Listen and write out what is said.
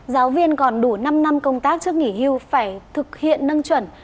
giáo viên còn đủ năm năm công tác trước nghỉ hưu phải thực hiện nâng chuẩn